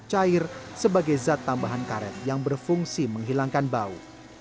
cair sebagai zat tambahan karet yang berfungsi menghilangkan bau